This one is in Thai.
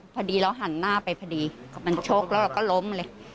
พอดีเราหันหน้าไปพอดีมันชกแล้วเราก็ล้มเลย